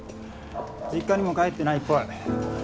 実家にも帰ってないっぽい。